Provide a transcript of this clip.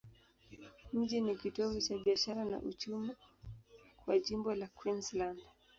Mji ni kitovu cha biashara na uchumi kwa jimbo la Queensland.